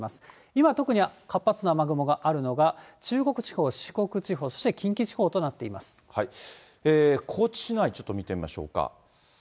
今、特に活発な雨雲があるのが中国地方、四国地方、そして近畿地方と高知市内、ちょっと見てみましょうか。